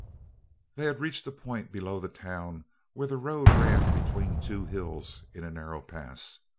They had reached a point below the town, where the road ran between two hills in a narrow pass.